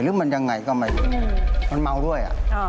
หรือมันยังไงก็ไม่รู้มันเมาด้วย